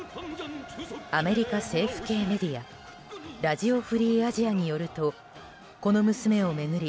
アメリカ政府系メディアラジオ・フリー・アジアによるとこの娘を巡り